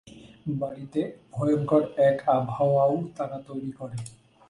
বাড়িতে ভয়ংকর এক আবহাওয়াও তারা তৈরি করে।